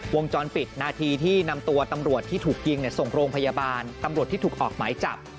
วงจรปิดนาทีที่นำตัวตำรวจที่ถูกยิงส่งโรงพยาบาลตำรวจที่ถูกออกหมายจับ